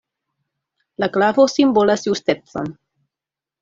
La glavo simbolas justecon.